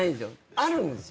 あるんですよ。